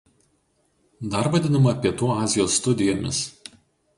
Dar vadinama Pietų Azijos studijomis.